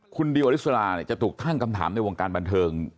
คุณดิวอลิสราจะถูกตั้งคำถามในวงการบันเทิง